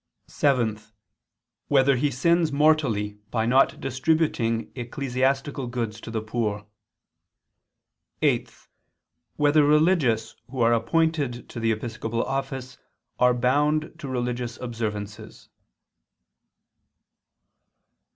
(7) Whether he sins mortally by not distributing ecclesiastical goods to the poor? (8) Whether religious who are appointed to the episcopal office are bound to religious observances?